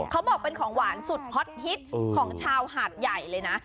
เขาบอกเป็นของหวานสุดฮอตฮิตของชาวหาดใหญ่เลยนะ